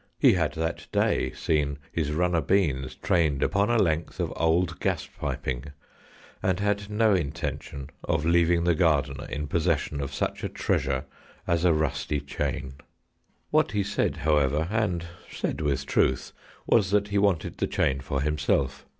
He had that day seen his runner beans trained upon a length of old gas piping, and had no intention of leaving the gardener in possession of such a treasure as a rusty chain. What he said, however, and said with truth, was that he wanted the chain for himself.